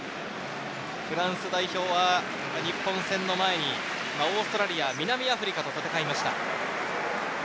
フランス代表は日本戦の前にオーストラリア、南アフリカと戦いました。